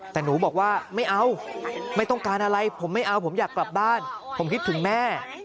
แต่หนูบอกว่าไม่เอาไม่ต้องการอะไรผมไม่เอาผมอยากกลับบ้านผมคิดถึงแม่